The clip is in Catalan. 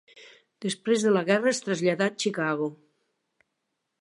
Després de la guerra es traslladà a Chicago.